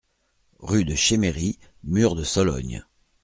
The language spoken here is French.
Rue de Chémery, Mur-de-Sologne